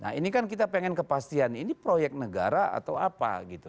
nah ini kan kita pengen kepastian ini proyek negara atau apa gitu